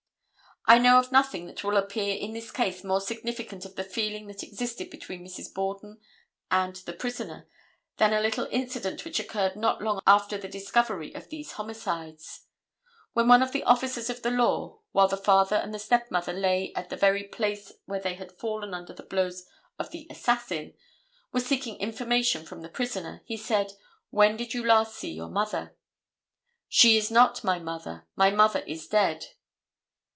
I know of nothing that will appear in this case more significant of the feeling that existed between Mrs. Borden and the prisoner than a little incident which occurred not long after the discovery of these homicides. When one of the officers of the law, while the father and the step mother lay at the very place where they had fallen under the blows of the assassin, was seeking information from the prisoner, he said, "When did you last see your mother?" "She is not my mother. My mother is dead."